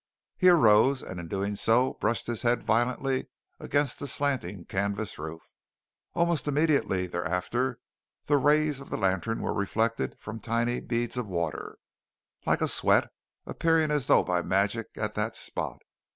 He arose, and in doing so brushed his head violently against the slanting canvas roof. Almost immediately thereafter the rays of the lantern were reflected from tiny beads of water, like a sweat, appearing as though by magic at that spot.